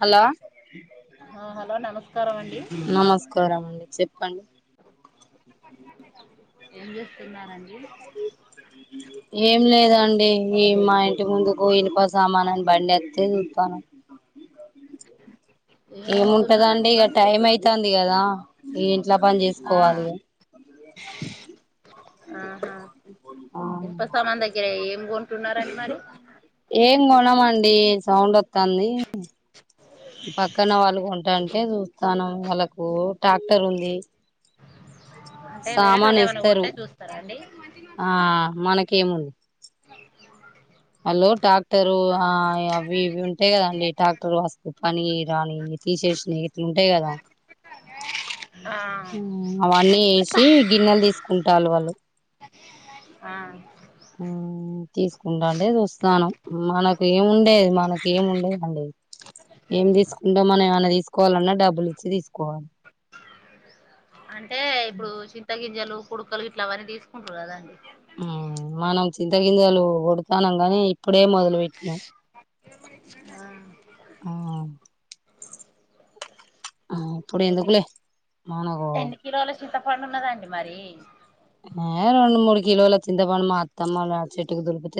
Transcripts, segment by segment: Hello ఆ hello నమస్కారం అండి నమస్కారం అండి చెప్ పండి ఏం చేస్ ఏం లేదండి ఈ మా ఇంటి ముందుకు ఇనుప సామాను బండి వత్తే చూతాన్న ఏం ఏముంటదండి అమ్ముతున్నారండి ఇక మరి టైం అయితాంది కదా ఏంటి ఎట్లా పని ఆ చేసుకోవాలి ఆ అ ఆ ఇనపసామాన్ దగ్గరే ఏం కొంటున్నారని మరి ఏం కొనమండి సౌండ్ వత్తాంది పక్కన వాళ్ళు కొంటాంటే చూ తను వాళ్ళకు ట్రాక్టర్ ఉంది అంటే సామాన్ వేరేటోళ్ళు ఏమైనా ఇస్తరు కొంటే చూస్తారా అండి ఆ మనకేముంది వాళ్ళు టాక్టరు ఆ అవి ఇవి ఉంటయి కదండి టాక్టర్ వస్తువు పనికి రానివి తీసేసినయ్ ఉంటయి కదా ఆ అవన్నీ వేసి గిన్నెలు తీసుకుంటాలు వాళ్ళు ఆ మ్ తీసుకుంటాంటే చూస్తానం మనకు ఏముండే మనకు ఏముండయండి ఏం తీసుకుంటె మనం ఏమన్నా తీసుకోవాలన్న డబ్బులు ఇచ్చి తీసుకోవాలి అ టే ఇప్పుడు చింతగిమ్ గింజలు కుడకలు ఇట్లా అవన్నీ తీసుకుంటారు కదా అండి ఉ మనం చింతగిింజలు కొడతానం కానీ ఇప్పుడే మొదలు పెట్న ఆ ఆ ఇప్పుడు ఎన్ని ఎందుకులే మనగో పండు ఉన్నదండి మరి ఏ రెండు మూడు కిలొల చింతపండు మా అత్తమ్మా వాళ్ళ చెట్టుకి దొరికితే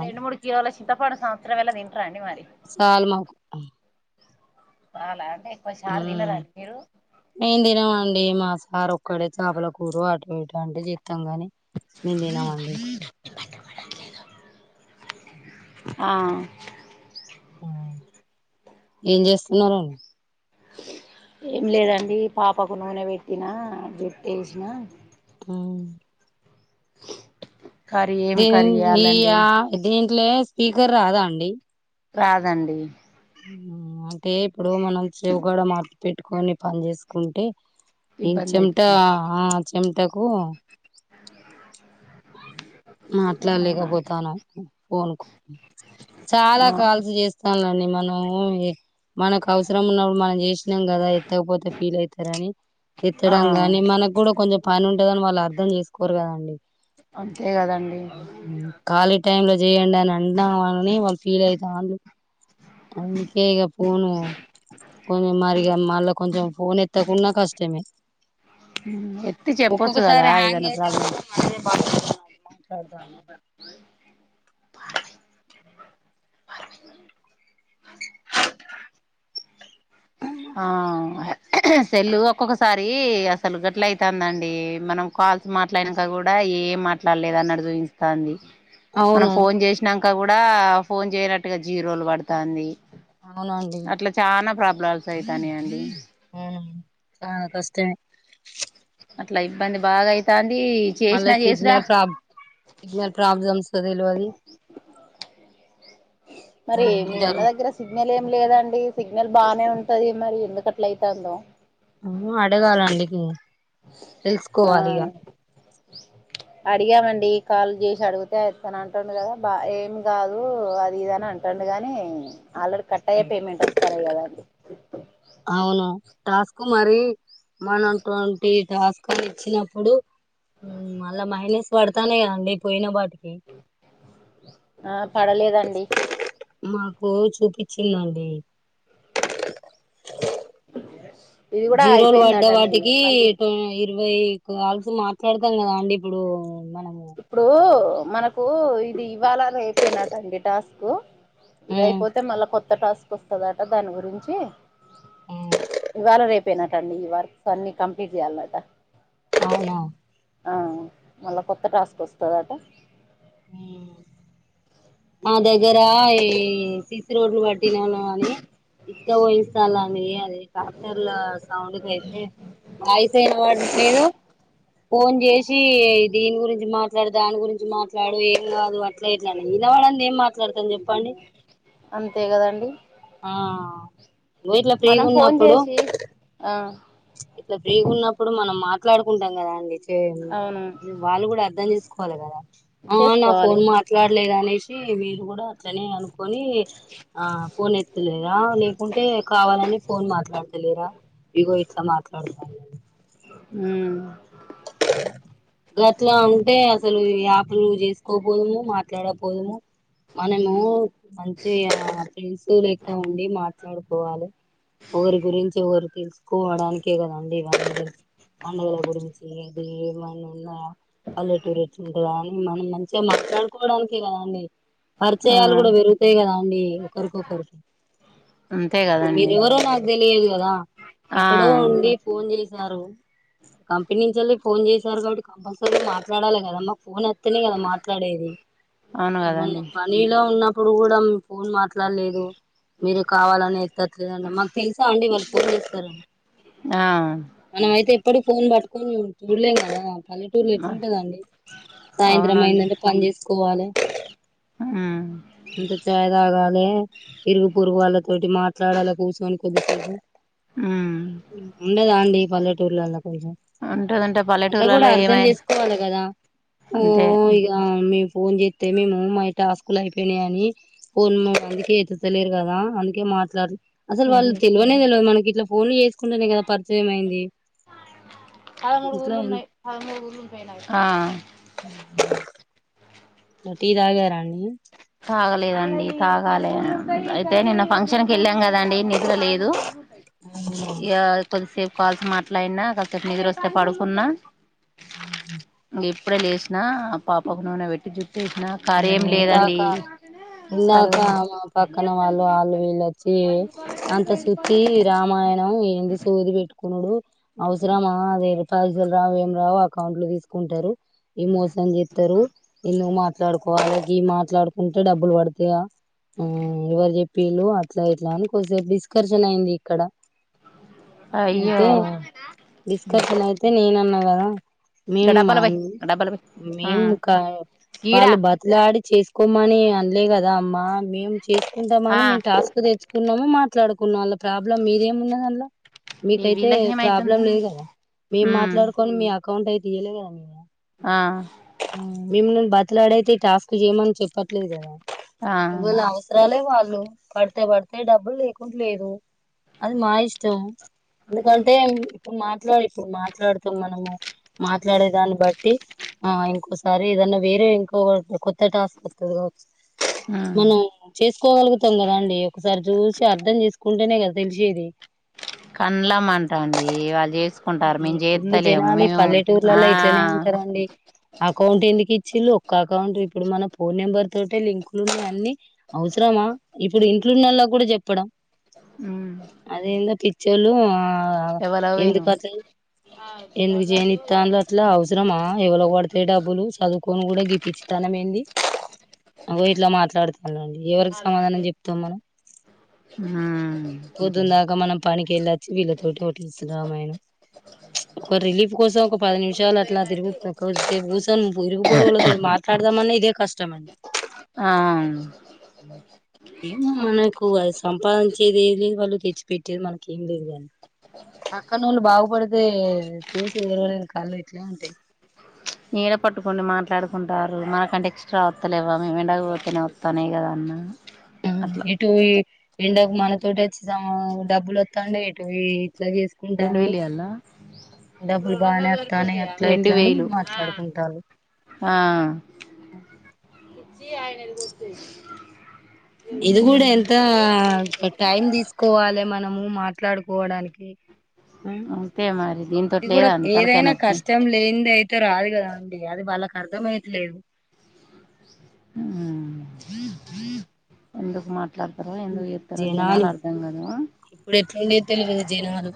రెండు మూడు కిలోల చింతపండు సంవత్సరం ఎళ తింటరాండి మరి చాలు మాకు అాల [unintelligible] ఎక్కువ చార్ తినరండి మీరు ే మా సార్ క్కడే చాపలకూరొ అట్లా వట జ [unintelligible] మొత్తంగానే [unintelligible] మేము తినమండి ఆ ఏం చేస్తున్నారండి ఏం లేదండి పాపకు నూనె పెట్టినా జుట్టేసినా అ కర్రీ ఏం దీ కర్రీ ఈ చేయాలండి ఆ దీ అట్లే స్పీకర్ రాదా అండి రాదండీ హమ్ ఎ ఇప్పుడు మనం చెవు కాడా మట్లడ పెట్టుకొని పని చేసుకుంటే ఈ ఇబ్బంది చెంటా అయితుంది హు ఎంతకు మాట్లాడలేకపోతాను ఫోన్కు చాలా ఆ కాల్స్ చేస్తాను మనము మనకు అవసరం ఉన్నప్పుడు మనం చే కదా ఎత్తకపోతే ఫీల్ అవుతారుని ఆ ఎత్తడం కాని మనకు కూడా కొంచెం పనింట వాళ్ళు అర్థం చేసుకోరు కదండి అవును కాల టైంలో చేయండి అని అంటం అనిని వాళ్ళు ఫీల్ అవుతాం అందుకేక పోను కొంచం మారిగా మళ్ళ కొంచం ఫోన్ ఎత్తకున్నా కష్టమే ఎత్తి చెప్పొచ్చు కదా ఒక్కొక్కసారి హ్యాంగ్ ఏదైనా ప్రాబ్లం కద ఉన్నా [inaudible] ఆ సెల్లు ఒక్కొక్కసారి అసలు గట్ల అయితాదండి మనం కాల్స్ మాట్లాడినక కూడా ఏం మాట్లాడలేదు అన్నట్టు చూయిస్తాంది మనం అవును ఫోన్ చేసినాక అక్క కూడా ఫోన్ చేయనట్టుగా జీరోలు పడతాంది అవునండి అట్లా చానా ప్రాబ్లం సైతాని అండి హమ్ ఆ కష్టమే అట్ల ఇబ్బంది బాగా అయితా మళ్ళ సిగ్నల్ ప్రాబ్ సిగ్నల్ ప్రాబ్లమ్స్ సదలు అది మరి అసలు ఏం మీ ఉన్న జరుగు దగ్గర సిగ్నలే లేదండి సిగ్నల్ బానే ఉంటది మరి ఎందుకకట్ల అయితందో ఆ అడగాల అండికి ఆ తెలుసుకోవాలి ఇగ అడిగామండి కాళ్ళు చేసి అడిగితే అంటాండు కదా బా ఏమి కాదు అది ఇదని అంటాండు గాని ఆల్రెడీ కట్ అయ్యే పేమెంట్ వస్తాయి కదండి [unintelligible] అవును టాస్కకు మారి మనటువంటి టాస్కాలు ఇచ్చినప్పుడు మళ్ళా మైనస్ పడతానే కదండి పోయిన వాటికి అ [unintelligible] ఆ పడలేదండి మాకు చూపించిందండి ఇది కూడా జీరోలు పడ్డ అయిపోయిందటండి వాటికి మళ్ళీ ఇరవై కాల్స్ మాట్లాడతాం కదా అండి ఇప్పుడు మనము ఇప్పుడు మనకు ఇది ఇవాల అయిపోయినట్టండి టాస్క్ కు ఇది ఉమ్, అయిపోతే మళ్ళా కొత్త కొత్త టాస్క్ వస్తదట దాని గురించి ఉమ్, ఇవాళ రేపు పోయినట్టండి ఈ వర్క్స్ అన్ని కంప్లీట్ చేయాలన్నట అవునా ఆహ్ మళ్ళ కొత్త టాస్క్ వస్తదట హమ్ మా దగ్గర ఏ సిసి రోడ్లు బ తినను అని ఇక పోయిస్తాలని అది ట్రాక్టర్ ల సౌండ్కు అయితే వాయిస్ ఎహ్ వినాపాట్లేదు ఫోన్ చేసి దీని గురించి మాట్లాడు దాని గురించి మాట్లాడు ఏం కాదు అట్ల ఇట్ల అనింది వినపడింది ఏం మాట్లాడతాను చెప్పండి అంతే కదండి ఆహ్ మనం ఫోన్ చేసి ఆహ్ ఇట్లా ఫ్రీగా ఉన్నప్పుడు మనం మాట్లాడుకుంటాం కదా అండి అవును [unintelligible] వాళ్ళు కూడా అర్థం చేసుకు కొలగద ఆహ్ నా చేసుకోవాలి ఫోన్ మాట్లాడలేదు అనేసి మీరు కూడా అట్లనే అను కొని ఆహ్ ఫోన్ ఎత్ లేదా లేకుంటే కావాలని ఫోన్ మాట్లాడ్ లేరా ఇగో ఎట్లమట్లాడుతున్నారు ఉమ్ గట్లా ఉంటే అసలు యాప్ చేసుకోకున్దును మాట్లాడకపోదుము మనము మంచి ఫ్రెండ్స్ లెక్క ఉండి మాట్లాడుకోవాలి ఒకరి గురించి ఒకరు తెలుసుకోవడానికే కదండిం పండుగల గురించి ఏదిఎమైనా ఉన్న పల్లెటూరు ఉంటుందిని మనం మంచిగా మాట్లాడుకోవడానినికిే కదండి ఆ పరిచయాలు కూడా పెరుగుతాయి కదా అండి ఒకరికొకరికి అంతే ఇప్పుడు కదండి మీరెవరో నాకు తెలియదు కదా ఆ ఎక్కడో ఉండి ఫోన్ చేసి వారు కంప్ ఎప్పటి నుంచిఎల్లి ఫోన్ చేశారు కాబట్టి కంపల్సరీ మాట్లాడాలి కదమ్మా ఫోనేఏతేనే కదా మాట్లాడేది అవును ఏమన్న కదండి పనిలో ఉన్న ఇప్పుడు కూడా మీ ఫోన్ మాట్లా అట్లా లేదు మీరు కావాలనే తట్లేదంటా మాకు తెలుసా అండి వాల్ ఫోన్ చేస్తారని ఆ మనం అయితే ఎప్పుడు ఫోన్ పడు కొన్ ఉండలేం కదా పల్లెటూర్ళ ఎట్లాంటదండి సాయంత్రం అవునండి అయిదంటే పని చేసుకోవాలి ఉమ్ ఇంత చాయ్ తాగాలి ఇరుగు పొరుగు వాళ్ళతోటి మాట్ ట్లాడాలలా కూచొనీ కొద్ది సేపు ఉమ్ ఉండదా అండి పల్లెటూర్లో కొంచెం ఉంటదంటే అట్లా కూడా పల్లెటూర్లలో అర్ధం ఏమైనా చేసుకోవాలి కదా ఓ అంతే యా మే ఫోన్ చేస్తే మేము మా టాస్కు లు అయిపోయినాయి అని ఫోన్ అందుకే ఎత్తుతలేరు కదా అందుకే మాట్లాడరు అసలు వాళ్ళు తెలవనే తెలవదు మనకి ఇట్లా ఫోన్లు చేసుకుంటేనే కదా పరిచయమైంది పదమూడు కూళ్ళు ఉన్నాయి పదమూడు కూళ్ళు ఉంటాయి నావి టీ తాగారా అండి తాగలేదండి తాగాలే అయితే నిన్న ఫంక్షన్ కు వెళ్ళాం కదా దండి నిద్ర లేదు యా కొద్దిసేపు కాల్స్ మాట్లన్న కాసేపు నిదరొస్తే పడుకున్నా ఆ ఇంగ ఇప్పుడే లేసినా పాపకు నూనె పెట్టి జుట్ కూడా దుగిన కరఏమి అవునా లేదండి దాకా కర్రీ ఇందాక వండ మా పక్కన వాళ్ళు వాళ్ళు వీళొచ్చి అంత సుత్తి రామాయణం ఏందు సోది పెట్టుకున్డు అవసరమా వెయ్యి రూపాలు రావు ఏం రావు అకౌంట్లు తీసుకుంటారు ఈ మోసం చెప్తారు ఎందుకు మా మాట్లాడుకోవాలా మాట్లాడుకుంటే డబ్బులు పడతాయా ఆ ఎవరు చెప్పిళు అట్లా ఇట్లా అని కొద్దిసేపు డిస్కర్షన్ అయింది ఇక్కడ అయ్యో అయితే డిస్కషన్ అయితే నేన్ అన్నా హలో ఇగ మేమా డబ్బాల పోయి అండి డబ్బాల పోయి ఉమ్ మేముకా ఈడా వాళ్ళు బతిలాడి చేసుకోమని అనలే కదా అమ్మా మేం చేసుకుంటామ్ అని ఆ మేము టాస్క్ తెచ్చుకున్నాము మా మాట్లాడుకున్నాను ప్రాబ్లం మీదేం ఉన్నదందులో మీకయితే వీళ్ళకి ఏమైతుంది ప్రాబ్లం లేదు కదా మేం ఉమ్ మాట్లాడుకొని మీ అక్క అకౌంట్ అయితే దిలయ కదా య్యా ఆ మిమ్ బ మాట్లాడైతే టాస్క్ చేయమని చెప్పట్లేదు కదా ఆ ఇ అవసరాలే వాళ్ళు పడితే పడితే డబ్బులు లేకుం లేదు అది మా ఇష్టం ఎందుకంటే ఇప్పుడు మాట్లాడు ఇప్పుడు మాట్లాడుతాం మనము మాట్లాడే దాన్ని బట్టి ఆ ఇంకోసారి ఏదన్నా వేరే కొ ఈ కొత్త టాస్క్ వస్తదిపో ఉమ్ ఉ చేసి చేయగలు గతం కదా అండి ఒకసారి చూసి అర్థం చేసుకుంటేనే కదా తెలిసేది కంలమంటాండి వాళ్ళ చేసి ఈ కుళ్ళు జనాలి ఆ పల్లెటూర్లలో ఇట్లనే ఉంటారండి అకౌంట్ ఎందుకు ఇచ్చుండు కాక వంట్ ఇప్పుడు మన ఫోన్ నెంబర్ తోటే లింకులు ఉన్నా అన్ని అవసరమా ఇప్పుడు ఇంట్లున్నలా కూడా చెప్పడం ఉమ్ అదేందో పిచ్ చలూ ఆ ఎవరవేను ఎందుకు అట్లా ఎందుకు చేయని తానులో అట్లా అవసరమా ఎవలో పడతాయి డబ్బులు చదువుకొని కూడా గిప్పించితనం ఏంది అగ ఇట్లా మాట్లాడుత అవునండి ఎవరికి సమాధానం చెప్తాం మనం ఉమ్ పోదున్న దాకా మనం పనికెళ్ళొచ్చి వీళ్ళతోటి హటిల్ స్ రామాయణ ఒక రిలీఫ్ కోసం ఒక పది నిమిషాలు అట్లా తిరుగుతుే కోసం ఉసలు పూరు వాళ్ళతో మాట్లాడదామన్న ఇదే కష్టమ అండి ఆ ఏ మనకు అది సంపాదించేది ఏది వాళ్ళు తే ఇర్చ్చి పెట్టేది మనకే ఏం లేదు కానీ ఆక్క నూన్ బాగపడితే చూసి ఊరువని కాళ్ళు ఇట్లా అంటే నీడ పట్టుకొని మాట్లాడుకుంటారు మనకంటే ఎక్స్ట్రా వత్తలేవా మేము ఎండకపోతేనే వస్తానే కదా అన్న అట్లా ఏటు ఈ ఏంటో ఒక మనతోటి వచ్చి తాం డబ్బులు వస్తాండి ఇటువి రెండు వేలు ఇయల్ నా డబ్బులు బాగానే వస్తానయి అట్లా రెండు ఇట్లా అని వేలు మాట్లాడుకుంటారు అ వచ్చేయ్ ఇది కూడా ఎంత టైం తీసుకోవాలే మనము మాట్ ట్లాడుకోవడానికి ఆ అంతే మరి దీనితోటి ఇది కూడా లేదా అండి తలకాయ ఏదైనా నొప్పి కష్టం లేని దయితే రాదు కదా అండి అది వాళ్ళ అర్ధంమయట్లేదు [inaudible] ఎందుకు మాట్ జనాలు కాదు ఇప్పుడు ఎట్లుండేో తెలియదు జనాలు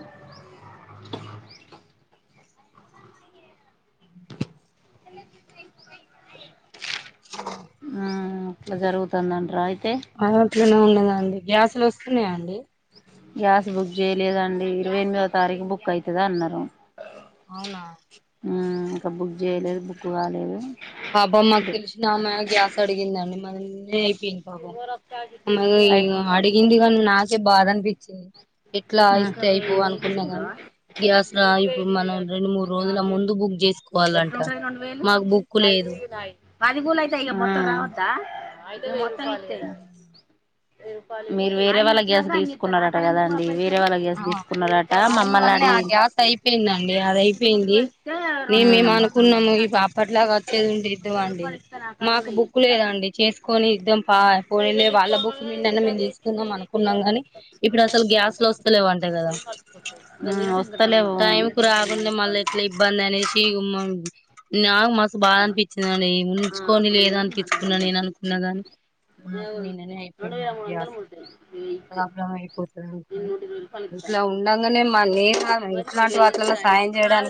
[inaudible] హ్మ్ ఇట్లా జరుగుతుందంన్ ట్రాయ్ ఆ దల్ ర్ట్ గనే ఉండదండి గ్యాసులు వస్తున్నాయా అండి గ్యాస్ బుక్ చేయలేదండి ఇరవై ఎనిమిదో తారీఖు బుక్ అయితది అన్నారు అవునా ఆ పాబమ్ మాకు తెలిసిన ఆమె గ్యాస్ అడిగిందండి మాది నిన్నే అయిపోయిం మరి అయి ఇగ అడిగిందిగాన్ నా కే బాధ అన్ పి ఎట్లా ఇస్తే మ్మ్ అయిపోవ్ అనుకున్నా గాని గ్యాస్ ల ఇప్పుడు మనం రెండు మూడు రోజుల ముందు బుక్ చేస్ కోలంట మాకు బుక్కు లేదు అది కూూలయితే ఇగ మొత్తం రావొద్ద అంతే గా మీరు వేరే వాళ్ళ గ్యాస్ తీసుకున్నార ట కదండి వే ఆ అవును కాని ఆ గ్యాస్ అయిపోయిందండి అది అయిపోయింది నేన్ మేము అనుకున్నాము ఈ పాపట్లాగా వచ్చేదుంటే ఇద్దుమండి మాకు బుక్కు లేదండి చేసుకొని ఇద్దాం పా పోనీలే వాళ్ళ బుక్ మీద నన్న మేము తీసుకున్నాం అనుకున్నాం గాని ఇప్పుడు అసలు గ్యాస్ లో స్ వస్తలేవంట కదా. ఉమ్ వస్తలేవు టైంకు రాకుండా మళ్ళీ ఎట్లా ఇబ్బంది అనేసి ఇగ నాకు మస్తు బాధ అనిపించిందండి ఉంచుకొని లేద్ అనిపించుకున్నా నేను అనుకున్నా గాని పోతదంటనా ఇట్లా ఉండంగనే మ్ మ న్నీ మరి ఇప్పుడు వేయి ఇచ్చి రాయి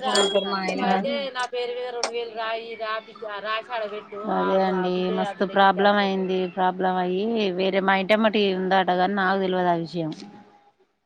కూడా ఉంటారు మా ఆయన గాని [unintelligible] అదేదండి మస్తు ప్రాబ్లం అయింది ప్రాబ్లం అయి వేరే మా ఇంటి ఎమ్మట ఉన్నారు కాని నాకు తెలియదు ఆ విషయం